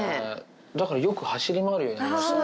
だからよく走り回るようになりましたね。